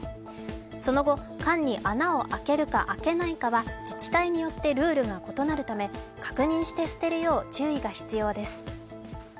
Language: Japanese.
その後、缶に穴を開けるか開けないかは自治体によってルールが異なるため、確認して捨てるよう注意が必要です。